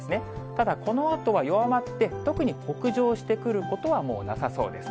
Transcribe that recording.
ただ、このあとは弱まって、特に北上してくることはもうなさそうです。